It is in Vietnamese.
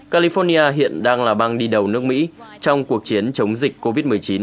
california hiện đang là bang đi đầu nước mỹ trong cuộc chiến chống dịch covid một mươi chín